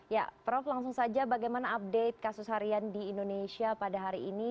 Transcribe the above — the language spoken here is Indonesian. ya prof langsung saja bagaimana update kasus harian di indonesia pada hari ini